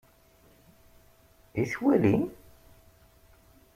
I twalim?